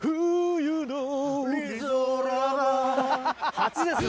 初ですな。